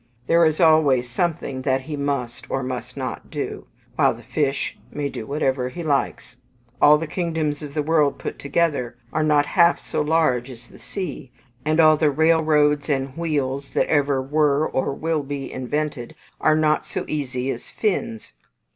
There is always something that he must, or must not do; while the fish may do whatever he likes. All the kingdoms of the world put together are not half so large as the sea, and all the railroads and wheels that ever were, or will be, invented are not so easy as fins.